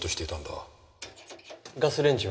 ガスレンジは？